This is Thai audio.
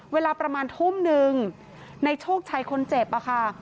เวลาประมาณทุ่มนึงในโชคชัยคนเจ็บอะค่ะ